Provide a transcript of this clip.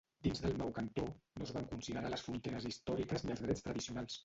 Dins del nou cantó, no es van considerar les fronteres històriques ni els drets tradicionals.